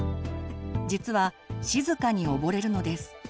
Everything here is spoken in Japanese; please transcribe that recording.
実は静かに溺れるのです。